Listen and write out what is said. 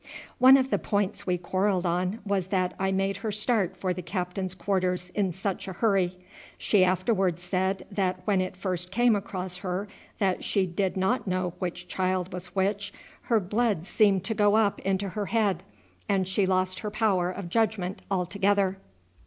"One of the points we quarrelled on was that I made her start for the captain's quarters in such a hurry. She afterwards said that when it first came across her that she did not know which child was which, her blood seemed to go up into her head, and she lost her power of judgment altogether.